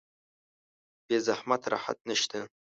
بې زحمت راحت نشته